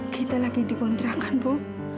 kita lagi di kontrakan bu